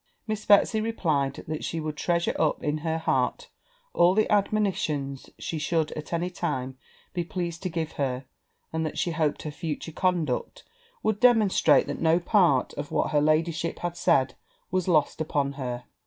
Miss Betsy replied, that she would treasure up in her heart all the admonitions she should at any time be pleased to give her; and that she hoped her future conduct would demonstrate that no part of what her ladyship had said was lost upon her.